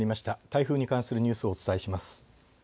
台風に関するニュースをお伝えします。